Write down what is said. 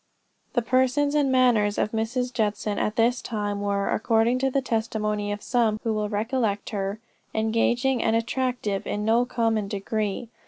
The person and manners of Mrs. Judson at this time, were, according to the testimony of some who well recollect her, engaging and attractive in no common degree.